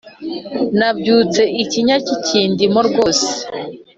Nabyutse ikinya kikindimo rwose